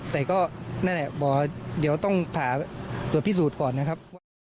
แต่ก็นั่นแหละเดี๋ยวต้องถามตรวจพิสูจน์ก่อนนะครับ